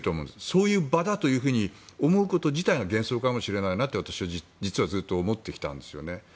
そういう場だと思うこと自体が幻想かもしれないなと実は私はずっと思ってきたんです。